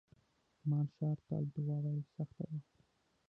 عمان ښار ته الوداع ویل سخته وه.